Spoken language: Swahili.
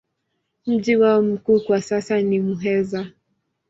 Mji wao mkuu kwa sasa ni Muheza.